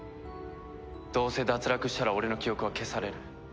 どうせ脱落したら俺の記憶は消される。